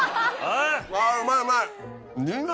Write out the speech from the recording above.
うまいうまい！